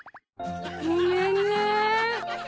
ごめんね。